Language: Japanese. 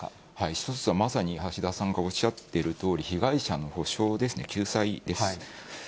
１つはまさに橋田さんがおっしゃっているとおり、被害者の補償ですね、救済です。